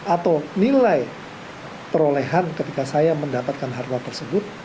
atau nilai perolehan ketika saya mendapatkan harta tersebut